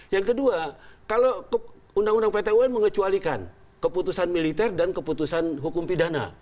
yang kedua kalau undang undang pt un mengecualikan keputusan militer dan keputusan hukum pidana